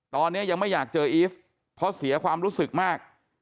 ตอนนี้ยังไม่อยากเจออีฟเพราะเสียความรู้สึกมาก